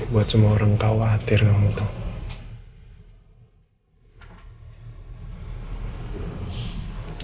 buat semua orang khawatir kamu tuh